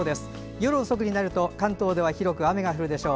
夜遅くになると関東では広く雨が降るでしょう。